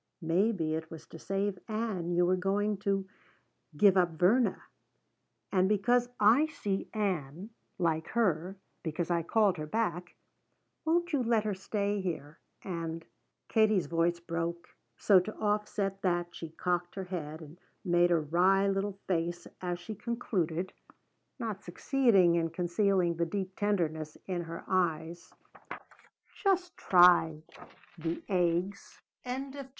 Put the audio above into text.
Maybe it was to save Ann you were going to give up Verna. And because I see Ann like her because I called her back, won't you let her stay here and " Katie's voice broke, so to offset that she cocked her head and made a wry little face as she concluded, not succeeding in concealing the deep tenderness in her eyes, "just try the eggs?"